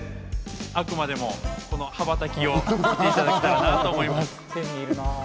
あくまでもこの羽ばたきを見ていただきたいと思います。